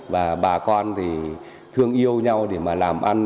và bà con thì thương yêu nhau để mà làm ăn